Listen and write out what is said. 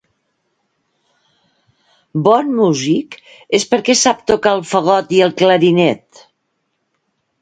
Bon músic és perquè sap tocar el fagot i el clarinet.